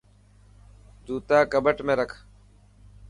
جوتا ڪٻٽ ۾ رک.